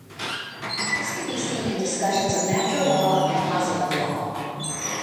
This can be seen in discussions of natural law and positive law.